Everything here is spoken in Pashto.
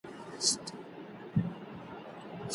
ایا نوي کروندګر ممیز صادروي؟